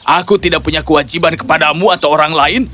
aku tidak punya kewajiban kepadamu atau orang lain